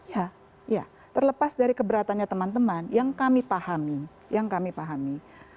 ya ya terlepas dari keberatannya teman teman yang kami pahami